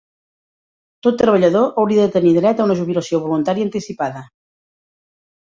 Tot treballador hauria de tenir dret a una jubilació voluntària anticipada.